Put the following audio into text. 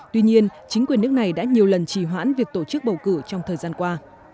tuy nhiên chính quyền nước này đã nhiều lần trì hoãn việc tổ chức bầu cử trong thời gian qua